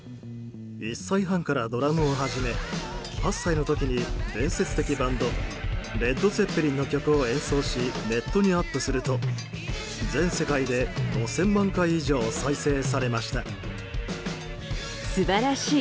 １歳半からドラムを始め８歳の時に伝説的バンドレッド・ツェッペリンの曲を演奏しネットにアップすると全世界で５０００万回以上再生されました。